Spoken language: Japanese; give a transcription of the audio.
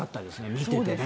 見ててね。